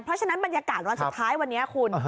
เพราะฉะนั้นบรรยากาศวันสุดท้ายวันนี้คุณ